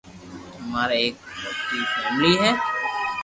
امارآ ايڪ موٽي فآملي ھي